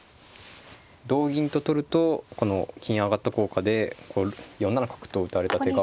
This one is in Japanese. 同銀と取るとこの金上がった効果で４七角と打たれた手が。